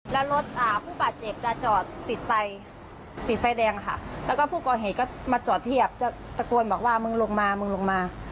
แล้วรถผู้บาดเจ็บจะจอดติดไฟติดไฟแดงค่ะแล้วก็ผู้ก่อเหตุก็มาจอดเทียบจะตะโกนบอกว่ามึงลงมามึงลงมา